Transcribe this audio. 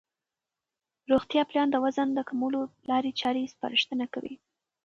روغتیا پالان د وزن د کمولو لارې چارې سپارښتنه کوي.